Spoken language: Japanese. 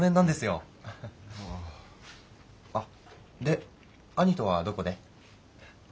あっで兄とはどこで？